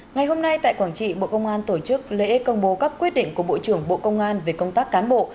ngày hôm nay tại quảng trị bộ công an tổ chức lễ công bố các quyết định của bộ trưởng bộ công an về công tác cán bộ